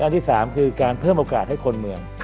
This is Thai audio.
ที่๓คือการเพิ่มโอกาสให้คนเมือง